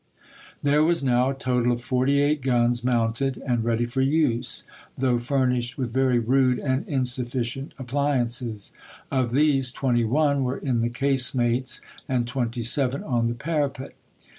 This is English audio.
There was now a total of forty eight guns April, isei. mounted and ready for use, though furnished with very rude and insufficient appliances. Of these, twenty one were in the casemates and twenty seven on the parapet.